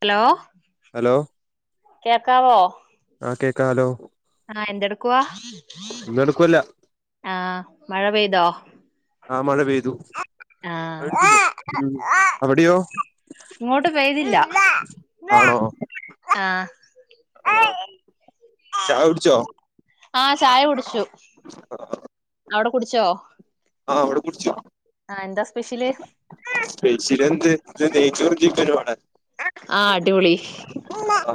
Hello hello കേക്കാവോ ആ കേക്കാലോ ആ എന്തെടുക്കുവാ ഒന്നും എടുക്കുവല്ല ആ മഴ പെയ്തോ? ആ മഴ പെയ്തു. ആഹ് അത് അടുത്തില്ലേ ഉം അവിടെയോ ഇങ്ങോട്ട് പെയ്തില്ല ആണോ ആഹ് ആ ചായ കുടിച്ചോ? ആ ചായ കുടിച്ചു അവട കുടിച്ചോ? ആ അവടെ കുടിച്ചു. ആ എന്താ സ്പെഷ്യല്? സ്പെഷ്യൽ എന്ത് നെയ്ച്ചോറും ചിക്കനുവാ ആടെ. ആഹ് അടിപൊളി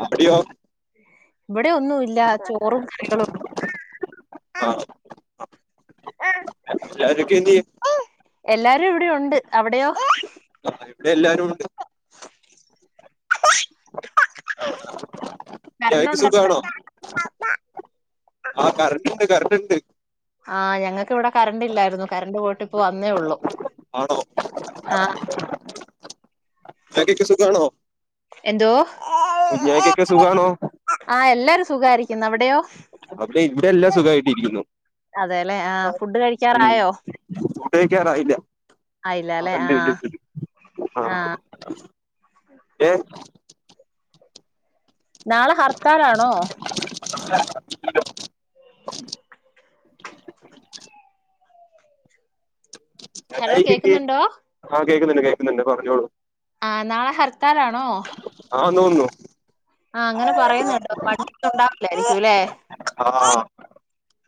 അവിടെയോ ഇവിടെ ഒന്നും ഇല്ല ചോറും കറികളും. എല്ലാരുക്കെ എന്തിയെ? എല്ലാരും ഇവിടെ ഒണ്ട് അവിടെയോ? ആഹ് ഇവിടെ എല്ലാരും ഒണ്ട്. കറണ്ട് [unintelligible] ഉണ്ടോ അവിടെ സുഖാണോ ആ കറണ്ട്‌ ഇണ്ട് കറണ്ട് ഇണ്ട്. [unintelligible] ആഹ് ഞങ്ങക്ക് ഇവിടെ കറണ്ട് ഇല്ലായിരുന്നു കറണ്ട് പോയിട്ട് ഇപ്പ വന്നേ ഉള്ളു. ആണോ ആഹ് ചക്കിക്ക് സുഖാണോ? എന്തോ? കുഞ്ഞാവക്കൊക്കെ സുഖാണോ? സുഖാരിക്കുന്നു അവിടെയോ? അവിടെ ഇവിടെല്ലാം സുഖാ യിട്ടിരിക്കുന്നു. അതേല്ലെ ആഹ് ഫുഡ് കഴിക്കാറായോ ഫുഡ്‌ കഴിക്കാറായില്ല. ആഹ് ഇണ്ട് ഇണ്ട് ഇണ്ട് ആഹ് ഏഹ് നാളെ ഹർത്താലാണോ? [unintelligible] ഹലോ ചേട്ടായിക്ക എന്തെ കേക്കുന്നുണ്ടോ [unintelligible] കേക്കുന്നുണ്ട് കേക്കുന്നുണ്ട്‌ പറഞ്ഞോളൂ ആഹ് നാള ഹർത്താലാണോ ന്നുന്നു ആഹ് അങ്ങനെ പറയുന്നൊണ്ട് [unintelligible] ആഹ്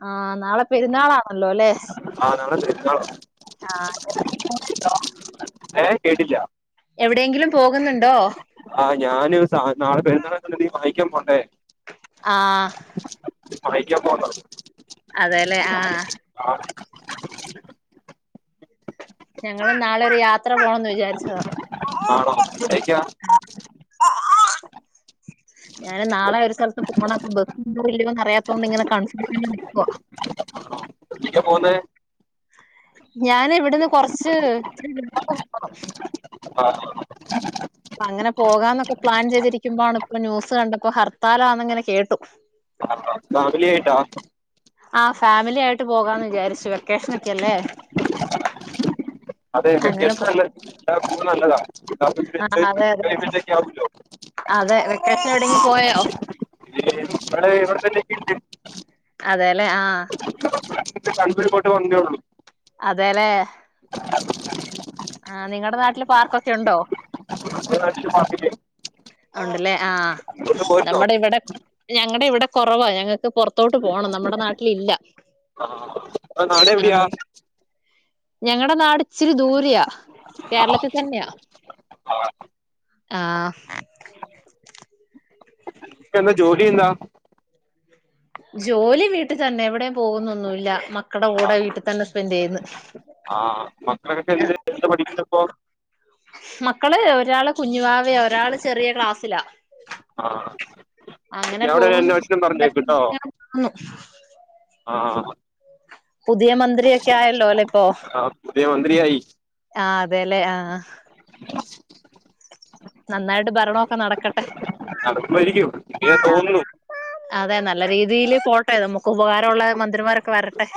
ആഹ് നാളെ പെരുന്നാളാണല്ലോ അല്ലേ ആഹ് നാളെ പെരുന്നാളാ ആഹ് [inaudible] ഏഹ് കേട്ടില്ല എവിടെയെങ്കിലും പോകുന്നുണ്ടോ ആഹ് ഞാന് സാധ നാളെ പെരുന്നാളാ [unintelligible] എന്തേലും വാങ്ങി [unintelligible] പോണ്ടേ ആഹ് വാങ്ങിക്കാൻ പോന്ന അതേല്ലേ ആഹ് എത്ര പോണന്ന് വിചാരിച്ചതാ ആണോ [unintelligible] ഞാൻ നാളെ ഒരു സ്ഥലത്ത് പോണ [unintelligible] അറിയാത്തൊണ്ട്ങ്ങനെ കൺഫൂഷൻല് നിക്കുവ എവിടേക്കാ പോന്നേ ഞാന് ഇവിടുന്ന് കൊറച്ച് [unintelligible] ആ അപ്പൊ അങ്ങനെ പോകാന്നൊക്കെ പ്ലാൻ ചെയ്തിരിക്കുമ്പോണ് ഇപ്പൊ ന്യൂസ് കണ്ട ഹർത്താലാന്ന ഇങ്ങനെ കേട്ടു ആ ഫാമിലിയായിട്ടാ ആ ഫാമിലി ആയി ട്ട് പോകാന്ന് വിചാരിച്ചു വെക്കേഷനൊക്കെല്ലേ അതെ അങ്ങനെ വെക്കേഷൻ നല്ല ഇതാ പോകുന്നത് നല്ലതാ ഇതാവുമ്പോ ആ ഇച്ചിരി അതെതെ എൻജോയ്മെന്റ് എൻജോയ്മെന്റ് ഒക്കെ ആവൂല്ലോ അതെ വെക്കേഷൻ എവിടെങ്ക പോയോ ഇവിടെ [inaudible] അതേല്ലേ ആഹ് [unintelligible] വന്നേള്ളൂ അതേലേ ആ നിങ്ങളടെ നാട്ടില് പാർക്കൊക്കെ ഉണ്ടോ നമ്മുടെ നാട്ടില് പാർട്ടിക്ക് ഉണ്ടല്ലേ ആ അങ്ങോട്ട് പോയിരുന്നോ നമ്മുടെ ഇവിടെ ഞങ്ങളടെ ഇവിടെ കുറവ ഞങ്ങ പുറത്തോട്ട് പോണം നമ്മുടെ നാട്ടിലില്ല ആഹ് നാട് ആ എവിടെയാ ഞങ്ങളടെ നാട് ഇച്ചിരി ദൂരയാ കേരളത്തിൽ തന്നെയാ ആ ഇപ്പെന്താ ജോലിയെന്താ? ജോലി വീട്ടിൽ തന്നെ എവിട് ടെ പോകുന്നൊന്നുവില്ല മക്കടെ കൂടെ വീട്ടി തന്നെ സ്പെൻഡ് ചെയ്യുന്ന് ആഹ് മക്കളൊക്കെ ആ എന്ത് എന്ത് പഠിക്കുന്നു ഇപ്പോ മക്കള് ഒരാള് കുഞ്ഞുവാവയാ ഒരാള് ചെറിയ ക്ലാസ്സിലാ ആഹ് അങ്ങനെ അവിടെ ഒരു പോകുന്നു അന്വേഷണം പറഞ്ഞേക്ക്ട്ടോ [unintelligible] പോകുന്നു. ആ [unintelligible] പുതിയ മന്ത്രിയൊക്കെ ആയല്ലോ അല്ലെ ഇപ്പോ ആ പുതിയ മന്ത്രിയായി ആ അതെല്ലെ ആ ആ നന്നായിട്ട് ഭരണൊക്കെ നടക്കട്ടെ നടക്കുമായിരിക്കും ഇങ്ങനെ അതെ തോന്നുന്നു അതെ നട നല്ല രീതിയില് പോട്ടെ നമുക്ക് ഉപകാരമുള്ള മന്ത്രിമാരൊക്കെ വരട്ടെ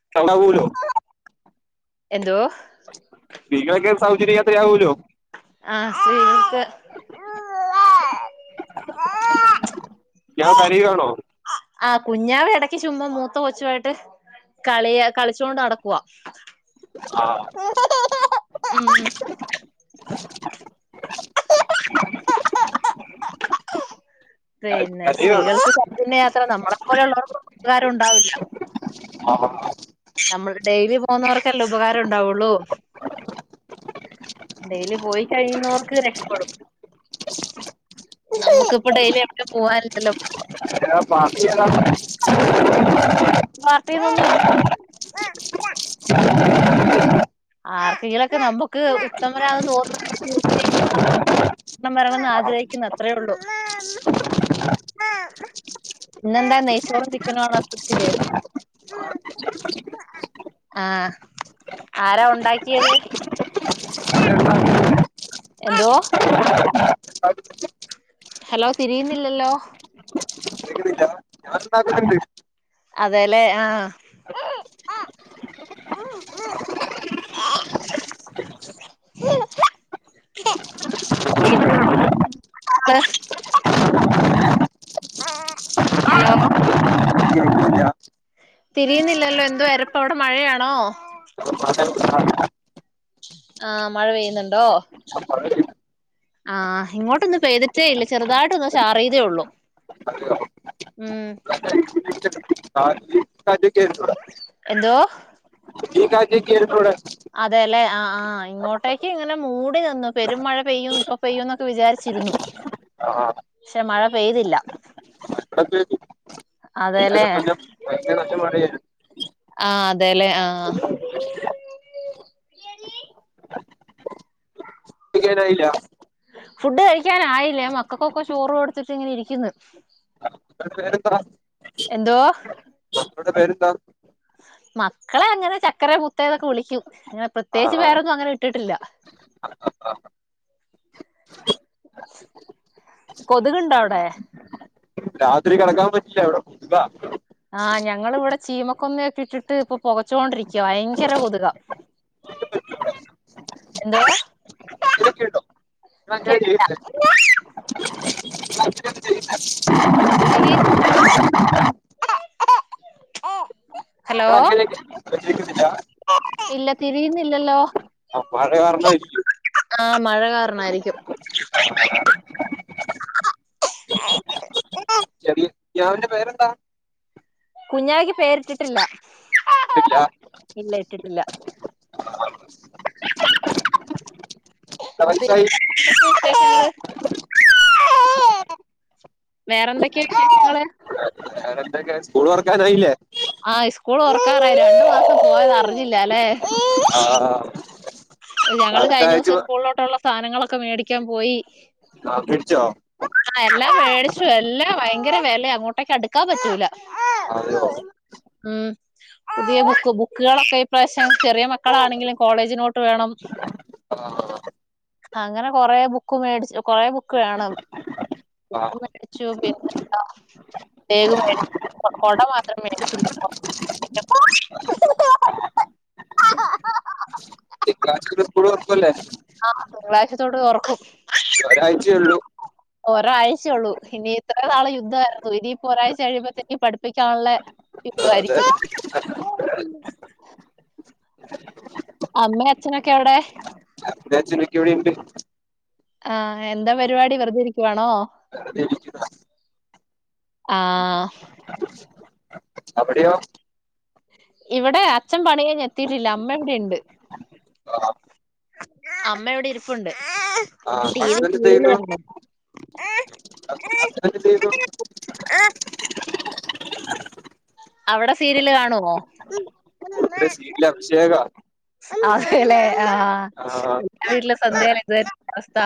[unintelligible] എന്തോ സ്ത്രീകൾക്ക് സൗജന്യ യാത്രയാവലോ ആ സ്ത്രീ - ഞാവ കരീയാണോ ആ കുഞ്ഞാവ എടക്ക് ചുമ്മാ മൂത്ത കൊച്ചുവായിട്ട് കളിയ കളിച്ചോണ്ട് നടക്കുവാ ആ ഉം [inaudible] പിന്നെ കരയുവാണ് സ്ത്രീകൾക്ക് അത്ര നമ്മളെ പോലെയുള്ളവർക്ക് ഉപകാരം ഉണ്ടാവില്ല ആ നമ്മൾ ഡെയിലി പോകുന്നവർക്കെല്ലാം ഉപകാരം ഉണ്ടാവുള്ളൂ. ഡെയിലി പോയി കഴിയുന്നവർക്ക് രക്ഷപ്പെടും. നമുക്കിപ്പ ഡെയിലി എവിടെ പോവാൻല്ലല്ലോ അ ബാ [unintelligible] വാർത്തേലൊന്നുംല്ല ആർക്കേകിലൊക്കെ നമ്മക്ക് ത ആ [unintelligible] ണം വരണംന്ന് ആഗ്രഹിക്കുന്നു അത്രയേ ഉള്ളൂ ഇന്നെന്താ നെയ്ച്ചോറും ചിക്കനുആണോ [unintelligible] ആ ആരാ ഉണ്ടാക്കിയത് എന്തൊ ഹലോ തിരിയുന്നില്ലല്ലോ ഞാണ്ടാക്കണ്ട് അതേലേ ആ ഹലോ കേൾക്കുന്നില്ല തിരിയുന്നില്ലല്ലോ എന് വരപ്പ അവിടെ മഴയാണോ ആഹ മഴ പെയ്യുന്നുണ്ടോ ആഹ ഇങ്ങോട്ടൊന്നും പെയ്തിട്ടേ ഇല്ല ചെറുതായിട്ടൊന്ന് ചാറിയതേ ഉള്ളു ഉം ആ അ കേട്ടൂട എന്തോ [inaudible] അതെല്ലെ ആ ആ ഇങ്ങോട്ടേക്ക് ഇങ്ങനെ മൂടി നിന്നു പെരും മഴ പെയ്യും ഇപ്പ പെയ്യൂന്നൊക്കെ വിചാരിച്ചിരുന്നു ആ പക്ഷെ മഴ പെയ്തില്ല വ്ടെ പെയ്തു അതെല്ലേ [inaudible] ആഹ് അതെല്ലേ ആഹ്. [inaudible] നായില്ല. ഫുഡ് കഴിക്കാൻ ആയില്ല മക്കക്കൊക്കെ ചോറും കൊടുത്തിട്ട് ഇങ്ങനെ ഇരിക്കുന്നു. പേരെന്താ എന്തോ അവിടെ പേരെന്താ മക്കളെ അങ്ങനെ ചക്കര മുത്തേന്നൊക്കെ വിളിക്കും അങ്ങനെ ആ പ്രത്യേകിച്ച് ആ വേറൊന്നും അങ്ങനെ ഇട്ടിട്ടില്ല കൊതുക്ണ്ടോ അവിടെ രാത്രി കിടക്കാൻ പറ്റില്ല ഇവിടെ കൊതുക ആഹ് ഞങ്ങളിവിടെ ചീമക്കൊന്നൊക്കെ ഇട്ടിട്ട് ഇപ്പൊ പൊകച്ചോണ്ടിരിക്ക ഭയങ്കര കൊതുകാ എന്തോ അങ്ങനെയൊക്കെ [unintelligible] തിരി [unintelligible] [unintelligible] ല്ല ഇല്ല തിരിയുന്നില്ലല്ലോ ആഹ് മഴ കാർണായിരിക്കും ആഹ് മഴ കാർണായിരിക്കും കുഞ്ഞാവന്റെ പേരെന്താ കുഞ്ഞാവക്ക് പേരിട്ടിട്ടില്ല ഇല്ല ഇല്ല ഇട്ടിട്ടില്ല ന്ന വൈസായി വേറെന്തൊക്കെയാ വിശേഷങ്ങള് വേറെ എന്തൊക്കെ സ്കൂൾ തുറക്കാനായില്ലേ ആഹ് സ്കൂൾ ഒർക്കാറായി രണ്ടു മാസം പോയന്ന് അറിഞ്ഞില്ല അല്ലെ ആ ഞങ്ങള് അടുത്ത കഴിഞ്ഞ ആഴ്ച ദിവസം സ്കൂളിലോട്ടുള്ള സ്ഥാനങ്ങളൊക്കെ മേടിക്കാൻ പോയി ആ പിടിച്ചോ ആ എല്ലാം മേടിച്ചു എല്ലാം ഭയ ഭയങ്കര വിലയ അങ്ങോട്ടേക്ക് അടുക്കാൻ പറ്റൂല അതെയോ ഉം പുതിയ ബുക്ക് ബുക്കുകളൊക്കെ ഇപ്രാവശ്യം ചെറിയ മക്കളാണെങ്കിലും കോളേജ് നോട്ട് ട്ട്‌ വേണം ആ അങ്ങനെ കൊറെ ബുക്ക് മേടച്ച് കൊറേ ബുക്ക് വേണം ആ ബുക്ക് മേടിച്ചു പിന്നെന്ത ബേഗ് മേട് കൊട മാത്രം മേടിച്ചില്ല കാച്ച് ന്നിട്ട് സ്ക്കൂൾ തൊറക്കുല്ലേ ആഹ് തിങ്കളാഴ്ച തൊട്ട് തൊറക്കും ഒരാഴ്ചയുള്ളൂ ഒരാഴ്ചയുള്ളു ഇനി ഇത്ര നാള് യുദ്ധയിരുന്നു ഇനിയിപ്പോ ഒരാഴ്ച കഴിയുമ്പത്തേക്കും പഠിപ്പിക്കാനുള്ള അതെ യുദ്ധായിരിക്കും അമ്മെ അച്ഛനൊക്കെ എവിടെ [unintelligible] ഇവടെ ണ്ട് ആഹ് എന്താ പരിപാടി വെറുതെ ഇരിക്കുവാണോ വെറുതെ ഇരിക്കുന്നു ആഹ് അവിടെയോ ഇവിടെ അച്ഛൻ പണി കഴിഞ്ഞ് എത്തിട്ടില്ല അമ്മ ഇവിടെയുണ്ട് അമ്മയിവിടെ ഇരിപ്പുണ്ട് ആ ടി വി ഹസ്ബൻഡ് എന്ത് സീരിയൽ ചെയ്യുന്നു കാണും അത്രക്കെ ചെയ്തു അവിടെ സീരിയല് കാണുവോ ഇവിടെ സീരിയൽ അഭിഷേക അതേലേ ആഹ് ആഹ് [unintelligible] [unintelligible] അവസ്ഥ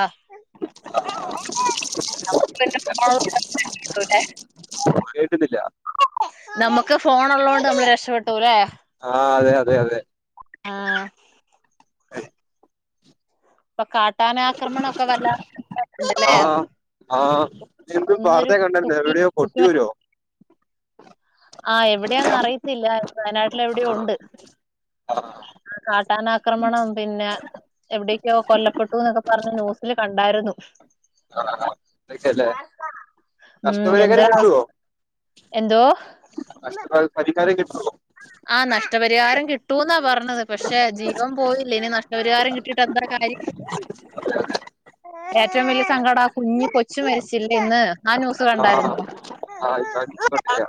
[unintelligible] കേട്ടുന്നില്ല നമുക്ക് ഫോൺ ഉള്ളോണ്ട് നമ്മൾ രക്ഷപ്പെട്ടൂല്ലേ ആഹ് അതെ അതെ അതെ ആഹ് പ്പൊ കാട്ടാനാക്രമണം ഒക്കെ വർല്ല ആഹ് ആഹ്ആഹ് [unintelligible] ഇന്നൊരു വാർത്തയ കണ്ടരുന്ന് കുട്ടി എവിടെയോ കൊട്ടിയൂരോ ആ എവിടെയാന്ന് അറിയത്തില്ല വയനാട്ടിൽ ആഹ് എവിടെയോണ്ട് ആഹ് കാട്ടാനാക്രമണം പിന്നെ എവിടെയ്ക്യൊ കൊല്ലപ്പെട്ടു എന്നൊക്കെ പറഞ്ഞ് ന്യൂസില് കണ്ടാരുന്നു നഷ്ടപരികരം കിട്ടുവോ എന്തോ നഷ്ട പ പരിഹാരം കിട്ടോ ആ നഷ്ടപരിഹാരം കിട്ടൂന്നാ പറഞ്ഞത് പക്ഷെ ജീവൻ പോയില്ലേ ഇനി നഷ്ടപരിഹാരം കിട്ടീട്ട് എന്താ കാര്യം ഏറ്റോം വലിയ സങ്കടം ആ കുഞ്ഞി കൊച്ചു മരിച്ചില്ലേ ഇന്ന് ആ ന്യൂസ് ആഹ് കണ്ടായിന്നോ [unintelligible] കണ്ടില്ല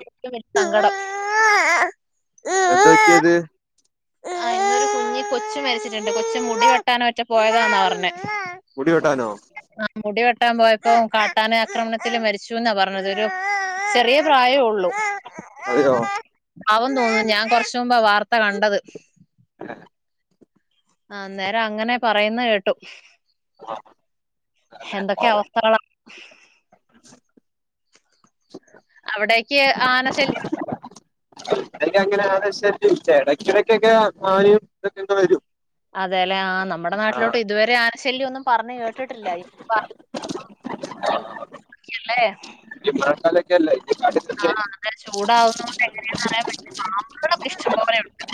സങ്കടം എന്താ പറ്റിയത്? ആ ഇന്നൊരു കുഞ്ഞി കൊച്ചു മരിച്ചിട്ടുണ്ട് കൊച്ചു മുടി വെട്ടാന മറ്റൊ പോയതാന്ന പറഞ്ഞെ മുടി വെട്ടാനോ ആ മുടി വെട്ടാൻ പോയപ്പോ കാട്ടാന ആക്രമണത്തില് മരിച്ചുന്നാ പറഞ്ഞത ഒരു ചെറിയ പ്രായമേ ഉള്ളൂ അതെയോ ആണെന്നു തോന്നുന്നു ഞാൻ കൊറച്ച മുമ്പാ വാർത്ത കണ്ടത് ആ അന്നേരം അങ്ങനെ പറയുന്ന കേട്ടു എന്തൊക്കെ അവസ്ഥകളാ അവിടേക്ക് ആനശല്യമുണ്ടോ? ഇവിടെ അങ്ങനെ ആനശല്യമൊന്നുമില്ല ഇടക്കിടക്കൊക്കെ മാനും ഇതൊക്കെ ഇവിടെ വരും അതെ അല്ലെ ആന്നോ? നമ്മുടെ നാട്ടിലോട്ട് ആഹ് ഇതുവരെ ആന ശല്യമൊന്നും പറഞ്ഞ് കേട്ടിട്ടില്ല തലക്കല്ലായി ആ അത് ചൂടാവുന്നൊണ്ട് എങ്ങനെയന്ന് അറിയാൻ പറ്റും പാമ്പുകളൊക്കെ ഇഷ്ടംപോലെയുണ്ട്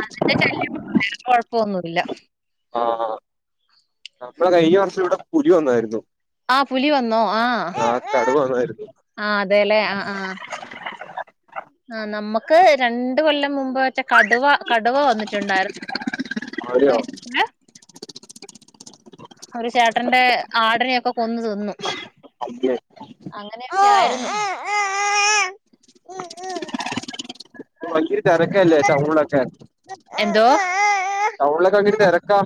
അതിന്റെ ശല്യം വേറെ കൊഴപ്പൊന്നുമില്ല ആഹ് നമ്മളെ കഴിഞ്ഞവർഷം ഇവിടെ പുലി വന്നായിരുന്നു ആ പുലി വന്നോ? ആഹ് കടുവ വന്നായിരുന്നു. അതേലേ ആ ആഹ് ആഹ് നമ്മക്ക് രണ്ട് കൊല്ലം മുമ്പേ റ്റെ കടുവ കടുവ വന്നിട്ടുണ്ടായിര് [unintelligible] അതെയോ ഒരു ചേട്ടന്റെ ആടിനെയൊക്കെ കൊന്നു തിന്നു അങ്ങനെ ഒക്കെ ആയിരുന്നു ഭയങ്കര തെരക്കല്ലെ ടൗണിലൊക്കെ എന്തോ ടൗണിലൊക്കെ ഭയങ്കര തെരക്കാ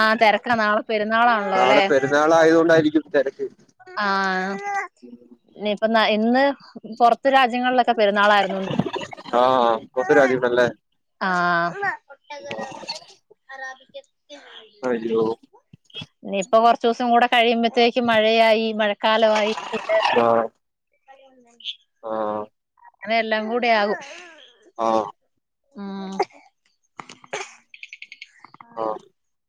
ആ തെരക്ക നാളെ പെരുന്നാളാണല്ലോ നാളെ പെരുന്നാളായതുകൊണ്ടായിരിക്കും തെരക്ക് ആ ഇനി ഇപ്പൊ ഇന്ന് പുറത്ത് രാജ്യങ്ങളിലൊക്കെ പെരുന്നാളായിരുന്നൂന്ന് ആ ആ പുറത്തെ രാജ്യങ്ങളല്ലേ ആ ആഹ് ആയില്ലോ ഇനിയിപ്പൊ കുറച്ച് ദിവസം കൂടെ കഴിയുമ്പഴത്തേക്ക് മഴ് മഴയായി മഴക്കാലമായി പിൻ ആ അങ്ങനെ എല്ലാം കൂടെ ആകും ആഹ് ഉം ആഹ് ആ